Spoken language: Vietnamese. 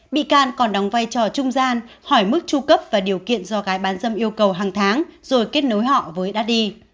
bị can còn đóng vai trò trung gian hỏi mức tru cấp và điều kiện do gái bán dâm yêu cầu hàng tháng rồi kết nối họ với đudy